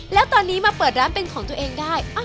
แล้วตอนนี้มาเปิดร้านเป็นของตัวเองได้